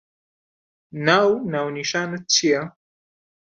ناو و ناونیشانت چییە؟